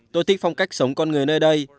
tôi thích phong cách sống con người nơi đây